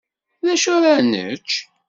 D acu ara nečč?